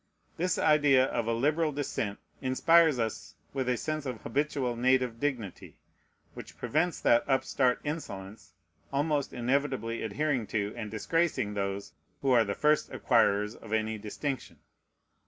This idea of a liberal descent inspires us with a sense of habitual native dignity, which prevents that upstart insolence almost inevitably adhering to and disgracing those who are the first acquirers of any distinction.